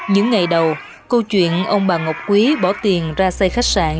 những ngày đầu câu chuyện ông bà ngọc quý bỏ tiền ra xây khách sạn